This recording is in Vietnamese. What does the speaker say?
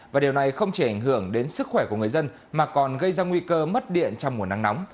và điều này không chỉ ảnh hưởng đến sức khỏe của người dân mà còn gây ra nguy cơ mất điện trong mùa nắng nóng